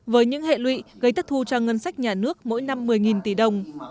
với những hệ lụy gây thất thu cho ngân sách nhà nước mỗi năm một mươi tỷ đồng